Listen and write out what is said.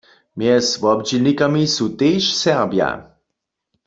Mjez wobdźělnikami su tež Serbja.